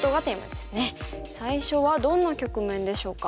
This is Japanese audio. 最初はどんな局面でしょうか。